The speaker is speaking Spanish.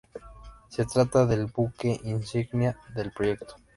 Se trata del buque insignia del proyecto.